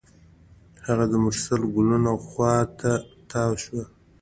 هغه د مرسل ګلونو خوا ته تاوه شوه.